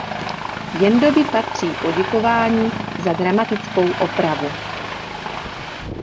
Jendovi patří poděkování za gramatickou opravu.